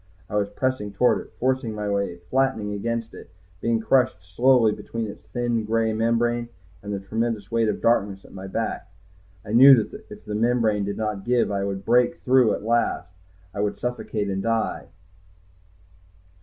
I was pressing toward it, forcing my way, flattened against it, being crushed slowly between this thin, gray membrane and the tremendous weight of darkness at my back. I knew that if the membrane did not give, if I did not break through at last, I would suffocate and die.